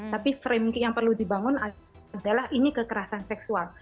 tapi frame yang perlu dibangun adalah ini kekerasan seksual